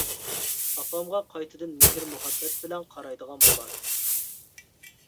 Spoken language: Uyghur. ئاپامغا قايتىدىن مېھىر-مۇھەببەت بىلەن قارايدىغان بولار.